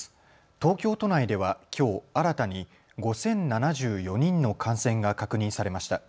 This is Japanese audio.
東京都内ではきょう新たに５０７４人の感染が確認されました。